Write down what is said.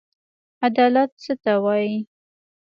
عدالت څه ته وايي.